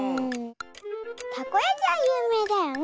たこやきはゆうめいだよね！